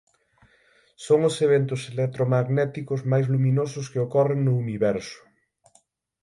Son os eventos electromagnéticos máis luminosos que ocorren no universo.